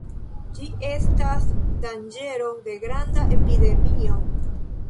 Ĝi estas danĝero de granda epidemio.